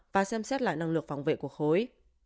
và xem xét lại năng lực phòng vệ của khối